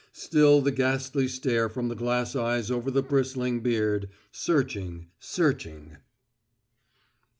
Still the ghastly stare from the glass eyes over the bristling beard, searching searching.